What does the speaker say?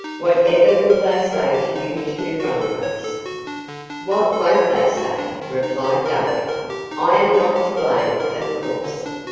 "Whatever will they say to you two runaways?" "What won't they say?" replied Duncan. "I am not to blame, of course.